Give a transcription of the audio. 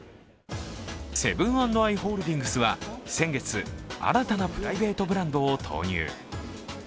セブン＆アイ・ホールディングスは先月、新たなプライベートブランドを投入。